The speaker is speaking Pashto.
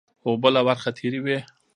اوبه له ورخه تېرې وې